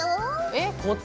えっ！